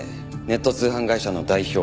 ネット通販会社の代表。